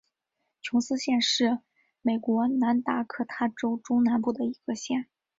琼斯县是美国南达科他州中南部的一个县。